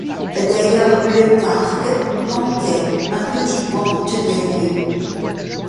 D’ailleurs le parc manquait, un petit bois en tenait lieu.